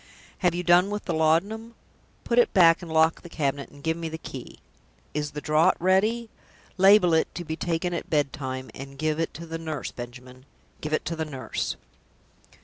"Have you done with the laudanum? Put it back, and lock the cabinet, and give me the key. Is the draught ready? Label it, 'To be taken at bedtime,' and give it to the nurse, Benjamin give it to the nurse."